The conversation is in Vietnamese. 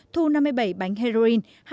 thu năm mươi bảy bánh heroin